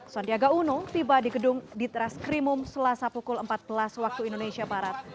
sandiaga uno tiba di gedung ditres krimum selasa pukul empat belas waktu indonesia barat